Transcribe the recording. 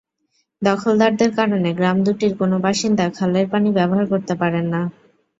দখলদারদের কারণে গ্রাম দুটির কোনো বাসিন্দা খালের পানি ব্যবহার করতে পারেন না।